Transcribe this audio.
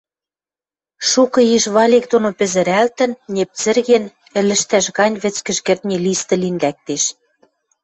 шукы йиш валик доно пӹзӹрӓлтӹн, непцӹрген, ӹлӹштӓш гань вӹцкӹж кӹртни листӹ лин лӓктеш.